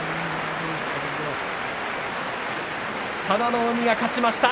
佐田の海が勝ちました。